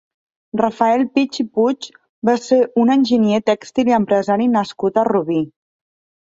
Rafael Pich i Puig va ser un enginyer tèxtil i empresari nascut a Rubí.